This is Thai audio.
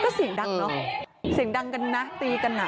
ก็เสียงดังเนอะเสียงดังกันนะตีกันอ่ะ